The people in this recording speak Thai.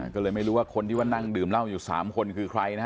ก็เลยไม่รู้ว่าคนที่ว่านั่งดื่มเหล้าอยู่๓คนคือใครนะฮะ